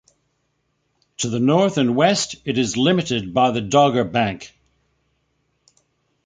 To the north and west it is limited by the Dogger Bank.